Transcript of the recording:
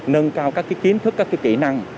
nâng cao các kiến thức các kỹ năng